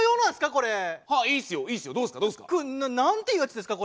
これ何ていうやつですか？